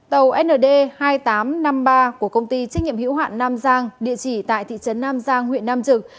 tàu nd hai nghìn tám trăm năm mươi ba của công ty trách nhiệm hữu hạn nam giang địa chỉ tại thị trấn nam giang huyện nam trực